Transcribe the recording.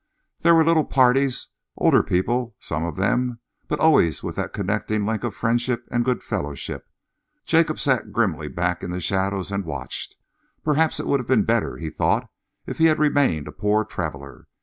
There were little parties, older people some of them, but always with that connecting link of friendship and good fellowship. Jacob sat grimly back in the shadows and watched. Perhaps it would have been better, he thought, if he had remained a poor traveller.